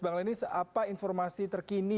bang lenis apa informasi terkini